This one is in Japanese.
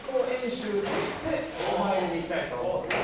お参りに行きたいと思っております。